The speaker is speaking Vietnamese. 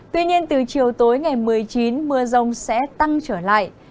tuy nhiên từ chiều tối ngày một mươi chín mưa rông sẽ tăng trở lại